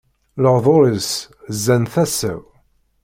Lehduṛ-is zzan tasa-w.